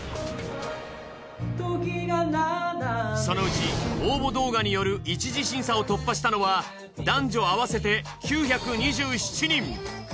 そのうち応募動画による一次審査を突破したのは男女合わせて９２７人。